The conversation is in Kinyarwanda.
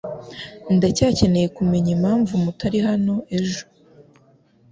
Ndacyakeneye kumenya impamvu mutari hano ejo.